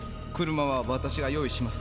「車は私が用意します。